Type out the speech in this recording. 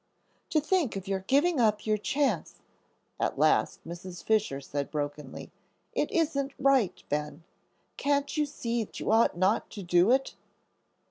"To think of your giving up your chance," at last Mrs. Fisher said brokenly; "it isn't right, Ben. Can't you see you ought not to do it?"